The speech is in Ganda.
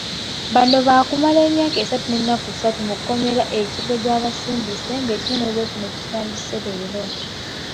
Bano baakumala emyaka esatu n'ennaku satu mu kkomera e Kigo gy'abasindise ng'ekibonerezo kino kitandise leero.